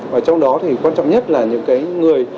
và trong đó thì quan trọng nhất là những cái người